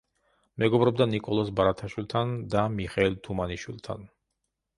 მეგობრობდა ნიკოლოზ ბარათაშვილთან და მიხეილ თუმანიშვილთან.